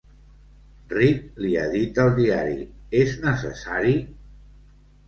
Reed li ha dit al diari, és necessari?